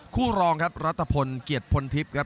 คู่รองครับรัฐพลเกียรติพลทิพย์ครับ